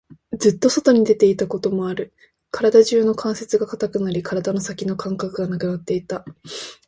ずっと外に出ていたこともある。体中の関節が堅くなり、体の先の感覚がなくなっていた。